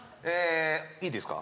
いいですか？